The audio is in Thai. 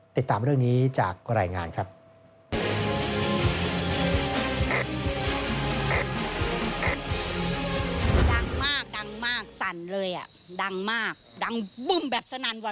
ติดตามเรื่องนี้จากรายงานครับ